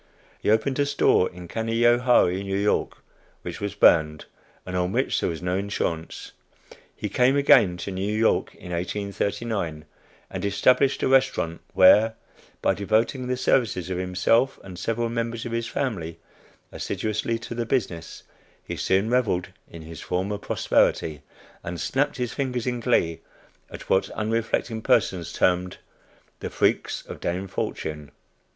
He opened a store in Canajoharie, N. Y., which was burned, and on which there was no insurance. He came again to New York in 1839, and established a restaurant, where, by devoting the services of himself and several members of his family assiduously to the business, he soon reveled in his former prosperity, and snapped his fingers in glee at what unreflecting persons term "the freaks of Dame Fortune."